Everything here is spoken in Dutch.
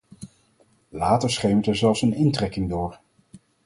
Later schemert er zelfs een intrekking door.